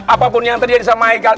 apapun yang terjadi sama ikan